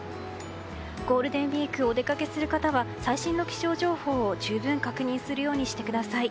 ゴールデンウィークお出かけする方は最新の気象情報を十分確認するようにしてください。